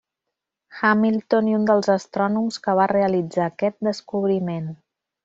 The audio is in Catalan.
Hamilton i un dels astrònoms que va realitzar aquest descobriment.